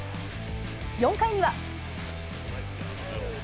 ４回には。